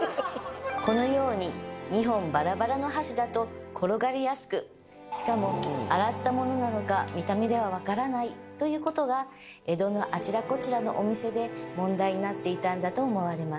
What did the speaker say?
このように２本バラバラの箸だと転がりやすくしかも洗ったものなのか見た目では分からないということが江戸のあちらこちらのお店で問題になっていたんだと思われます